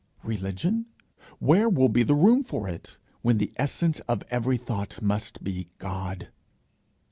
Religion? Where will be the room for it, when the essence of every thought must be God?